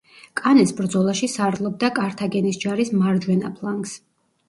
კანეს ბრძოლაში სარდლობდა კართაგენის ჯარის მარჯვენა ფლანგს.